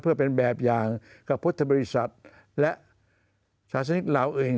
เพื่อเป็นแบบอย่างกับพุทธบริษัทและศาสนิกเราเอง